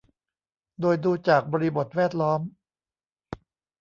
โดยดูจากบริบทแวดล้อม